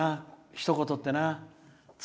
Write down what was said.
ひと言ってな。